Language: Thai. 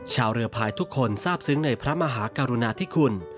ชาวเรือพายทุกคนทราบซึ้งในพระมหากรุณาธิคุณ